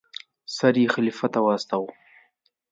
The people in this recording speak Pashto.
سر یې خلیفه ته واستاوه.